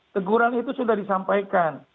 teguran itu sudah disampaikan